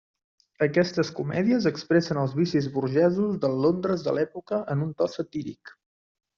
Aquestes comèdies expressen els vicis burgesos del Londres de l'època en un to satíric.